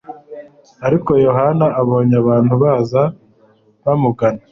Ariko Yohana abonye abantu baza bamugana,